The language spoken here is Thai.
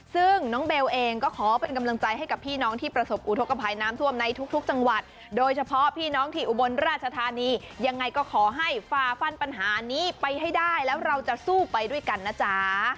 ซึ่งน้องเบลเองก็ขอเป็นกำลังใจให้กับพี่น้องที่ประสบอุทธกภัยน้ำท่วมในทุกจังหวัดโดยเฉพาะพี่น้องที่อุบลราชธานียังไงก็ขอให้ฝ่าฟันปัญหานี้ไปให้ได้แล้วเราจะสู้ไปด้วยกันนะจ๊ะ